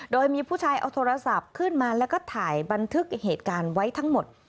โดยมีผู้ชายเอาโทรศัพท์ขึ้นมาแล้วก็ถ่ายบันทึกเหตุการณ์ไว้ทั้งหมด